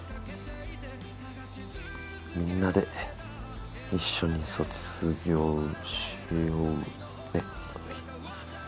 「みんなで一緒に卒業しようね」